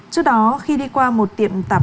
trước đó khi đi qua một tiệm tạp